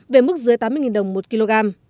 về mức dưới tám mươi đồng một kg